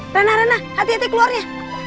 rena rena hati hati keluarnya